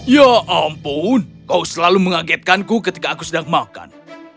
ya ampun kau selalu mengagetkanku ketika aku sedang makan